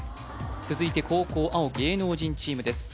続いて後攻青芸能人チームです